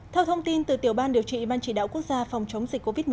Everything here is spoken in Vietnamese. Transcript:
theo thông tin từ tiểu ban điều trị ban chỉ đạo quốc gia phòng chống dịch covid một mươi chín